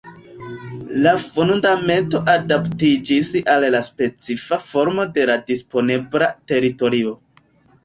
La fundamento adaptiĝis al la specifa formo de la disponebla teritorio.